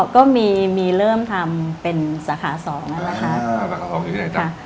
ก็มีมีเริ่มทำเป็นสาขาสองอ่ะนะคะอ่าสาขาสองอยู่ที่ไหนจ้ะ